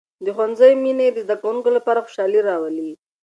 د ښوونځي مینې د زده کوونکو لپاره خوشحالي راملوي.